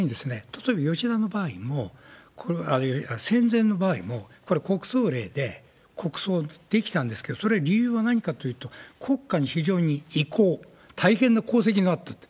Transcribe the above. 例えば、吉田の場合も、あるいは戦前の場合も、これは国葬礼で国葬できたんですけど、それ、理由は何かというと、国家に非常に偉功、大変な功績があったと。